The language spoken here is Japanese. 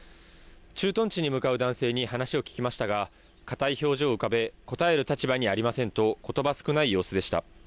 駐屯地に向かう男性に話を聞きましたが硬い表情を浮かべ答える立場にありませんとことば少ない様子でした。